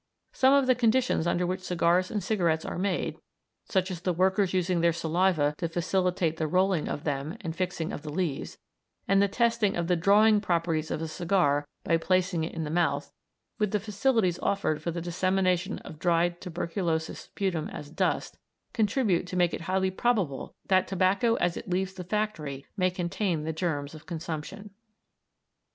Some of the conditions under which cigars and cigarettes are made, such as the workers using their saliva to facilitate the rolling of them and fixing of the leaves, and the testing of the "drawing" properties of a cigar by placing it in the mouth, with the facilities offered for the dissemination of dried tuberculous sputum as dust, contribute to make it highly probable that tobacco as it leaves the factory may contain the germs of consumption.